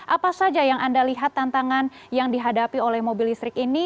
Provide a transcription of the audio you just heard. apa saja yang anda lihat tantangan yang dihadapi oleh mobil listrik ini